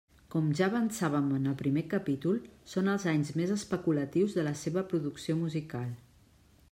Com ja avançàvem en el primer capítol, són els anys més «especulatius» de la seva producció musical.